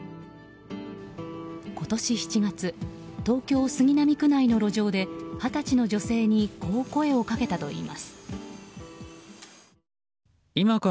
今年７月東京・杉並区内の路上で二十歳の女性にこう声をかけたといいます。